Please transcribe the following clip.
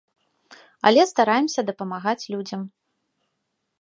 Але стараемся дапамагаць людзям.